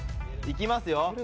いきますよ